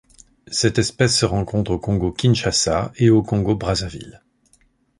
Cette espèce se rencontre au Congo-Kinshasa et au Congo-Brazzaville.